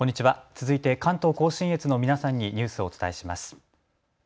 続いて関東甲信越の皆さんにニュースをお伝えします。